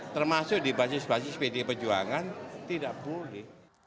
termasuk di basis basis pdp pejuangan tidak boleh